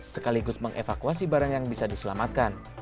sekaligus mengevakuasi barang yang bisa diselamatkan